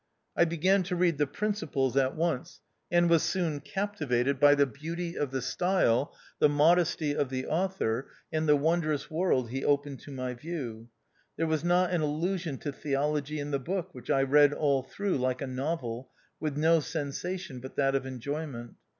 I began to 102 THE OUTCAST. read the " Principles " at once, and was soon captivated by the beauty of the style, the modesty of the author, and the wondrous world he opened to my view. There was not an allusion to theology in the book, which I read all through like a novel, with no sensation but that of enjoyment.